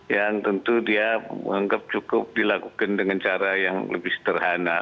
yang tentu dia menganggap cukup dilakukan dengan cara yang lebih sederhana